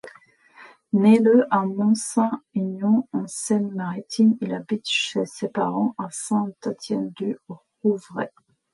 Né le à Mont-Saint-Aignan en Seine-Maritime, il habite chez ses parents, à Saint-Étienne-du-Rouvray.